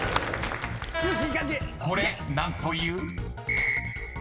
［これ何という？］